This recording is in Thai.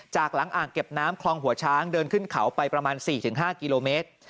จากหลังอ่างเก็บน้ำคลองหัวช้างเดินขึ้นเขาไปประมาณ๔๕กิโลเมตร